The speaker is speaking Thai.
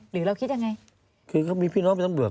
หรือเราคิดยังไงคือเขามีพี่น้องเป็นตำรวจ